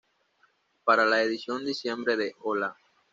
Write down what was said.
Para la edición diciembre de "¡Hola!